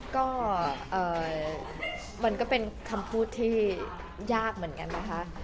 ก็มันก็เป็นคำพูดที่ยากเหมือนกันนะคะ